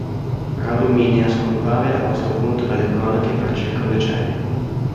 Radu Mihnea scompare a questo punto dalle cronache per circa un decennio.